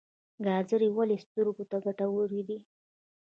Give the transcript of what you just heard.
ګازرې ولې سترګو ته ګټورې دي؟